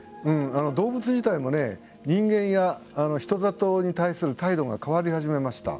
動物自体も人間や人里に対する態度が変わり始めました。